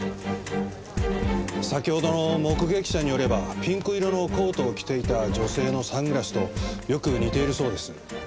先ほどの目撃者によればピンク色のコートを着ていた女性のサングラスとよく似ているそうです。